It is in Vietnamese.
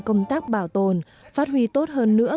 công tác bảo tồn phát huy tốt hơn nữa